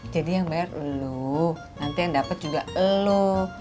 jadi yang bayar lo nanti yang dapet juga lo